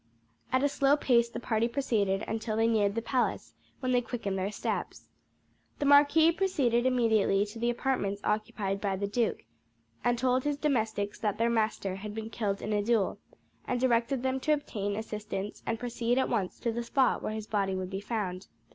At a slow pace the party proceeded until they neared the palace, when they quickened their steps. The marquis proceeded immediately to the apartments occupied by the duke, and told his domestics that their master had been killed in a duel, and directed them to obtain assistance and proceed at once to the spot where his body would be found.